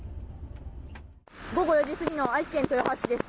午後４時すぎの愛知県豊橋市です。